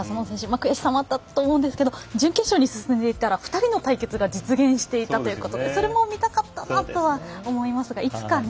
悔しさもあったと思うんですが準決勝に進んでいたら２人の対決が実現していたということでそれも見たかったなと思いますね。